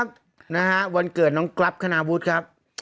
ใช่ละฮะโอ้ดูครับ